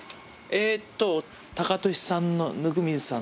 えっとタカトシさんの温水さんの。